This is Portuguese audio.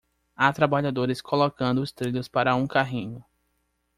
Há trabalhadores colocando os trilhos para um carrinho.